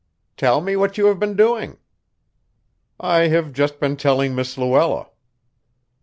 "Tell me what you have been doing." "I have just been telling Miss Luella."